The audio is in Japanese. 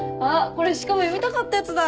これしかも読みたかったやつだ。